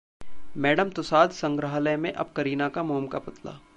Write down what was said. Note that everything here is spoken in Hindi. मैडम तुसाद संग्रहालय में अब करीना का मोम का पुतला